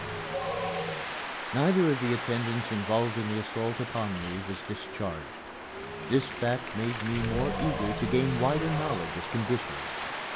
XXI Neither of the attendants involved in the assault upon me was discharged. This fact made me more eager to gain wider knowledge of conditions.